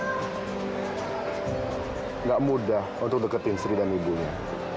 tidak mudah untuk deketin sri dan ibunya